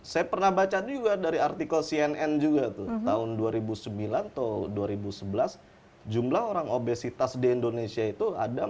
saya pernah baca juga dari artikel cnn juga tuh tahun dua ribu sembilan atau dua ribu sebelas jumlah orang obesitas di indonesia itu ada empat puluh